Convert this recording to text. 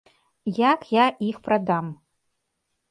Як я іх прадам?